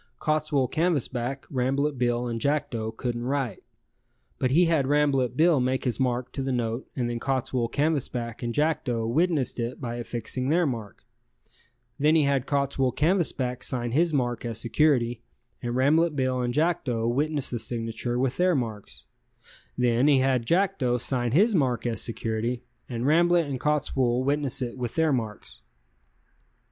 Cottswool Canvasback, Rambolet Bill and Jackdo couldn't write, but he had Rambolet Bill make his mark to the note and then Cottswool Canvasback and Jackdo witnessed it by affixing their mark; then he had Cottswool Canvasback sign his mark as security and Rambolet Bill and Jackdo witness the signature with their marks; then had Jackdo sign his mark as security and Rambolet and Cottswool witness it with their marks.